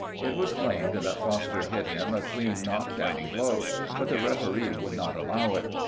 It was claimed that Foster hit him a clean knock down blow, but the referee would not allow it.